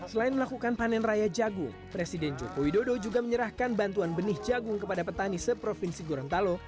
selain melakukan panen raya jagung presiden joko widodo juga menyerahkan bantuan benih jagung kepada petani seprovinsi gorontalo